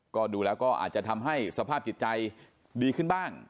ก็ดูแล้วก็อาจจะทำให้สภาพจิตใจดีขึ้นบ้าง